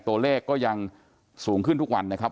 ตัวเลขก็ยังสูงขึ้นทุกวันนะครับ